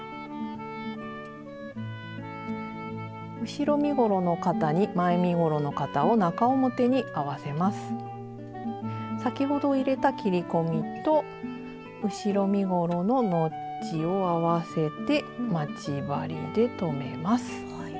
後ろ身ごろの肩に前身ごろの肩を先ほど入れた切り込みと後ろ身ごろのノッチを合わせて待ち針で留めます。